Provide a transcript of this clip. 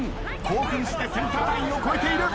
興奮してセンターラインを越えている。